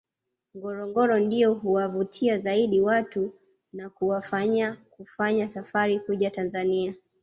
Ngorongoro ndiyo huwavutia zaidi watu na kuwafanya kufunga safari kuja Tanzania